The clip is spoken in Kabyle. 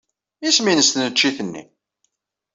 Isem-nnes tneččit-nni?